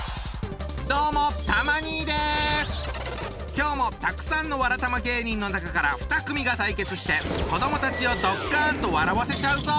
今日もたくさんのわらたま芸人の中から２組が対決して子どもたちをドッカンと笑わせちゃうぞ！